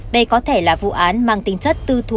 đây có thể là vụ án mang tính chất tư thủ